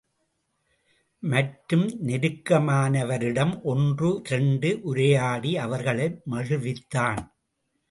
மற்றும் நெருக்கமானவரிடம் ஒன்று இரண்டு உரையாடி அவர்களை மகிழ்வித்தான்.